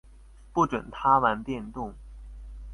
不准他玩電動